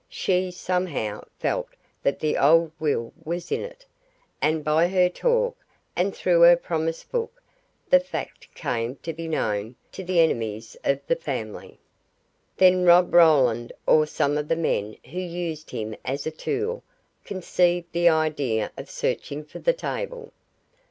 She, somehow, felt that the old will was in it, and by her talk, and through her promise book, the fact came to be known to the enemies of the family. Then Rob Roland, or some of the men who used him as a tool, conceived the idea of searching for the table.